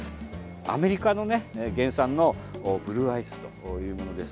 アメリカの原産のブルーアイスというものです。